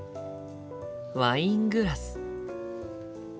ワイングラス。